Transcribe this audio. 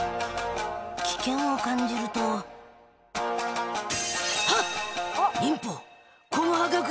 危険を感じるとはっ！